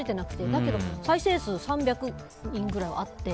だけど再生数３００人くらいはあって。